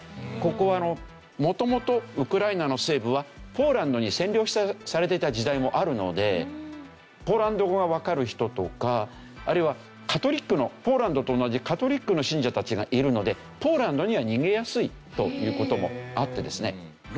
ここは元々ウクライナの西部はポーランドに占領されていた時代もあるのでポーランド語がわかる人とかあるいはポーランドと同じカトリックの信者たちがいるのでポーランドには逃げやすいという事もあってですね。